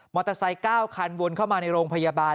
เตอร์ไซค์๙คันวนเข้ามาในโรงพยาบาล